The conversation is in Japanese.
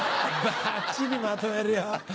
バッチリまとめるよ。